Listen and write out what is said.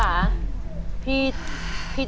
ร้อง